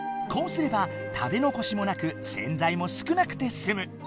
こうすれば食べのこしもなく洗剤も少なくてすむ。